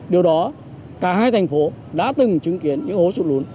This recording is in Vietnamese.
điều đó cả hai thành phố đã từng chứng kiến những ố sụt lún